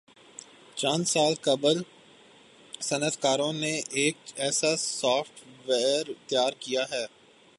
چند سال قبل صنعتکاروں نے ایک ایسا سافٹ ویئر تیار کیا ہے